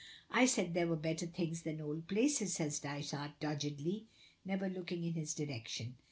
"I said there were better things than old places," says Dysart doggedly, never looking in his direction.